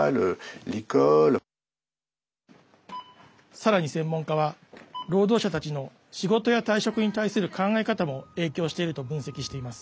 さらに専門家は、労働者たちの仕事や退職に対する考え方も影響していると分析しています。